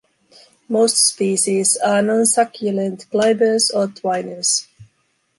Most species are non-succulent climbers or twiners.